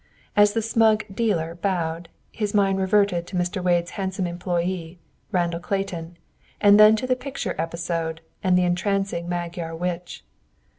As the smug "dealer" bowed, his mind reverted to Mr. Wade's handsome employee, Randall Clayton, and then the picture episode, and the entrancing Magyar witch.